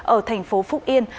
ở thành phố phúc yên